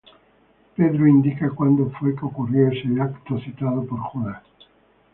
Pedro indica cuándo fue que ocurrió este evento citado por Judas.